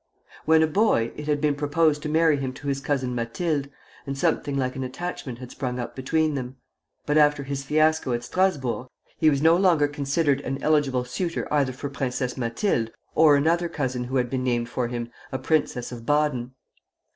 When a boy, it had been proposed to marry him to his cousin Mathilde, and something like an attachment had sprung up between them; but after his fiasco at Strasburg he was no longer considered an eligible suitor either for Princess Mathilde or another cousin who had been named for him, a princess of Baden.